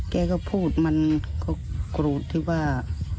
แกก็พูดมันก็โกรธที่ว่า